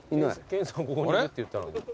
研さんここにいるって言ったのに。